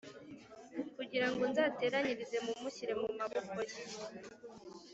kugirango nzateranyirize mumushyire mumaboko ye,